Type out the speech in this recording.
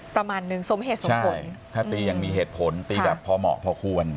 ประมาณนึงสมเหตุสมผลถ้าตียังมีเหตุผลตีแบบพอเหมาะพอควร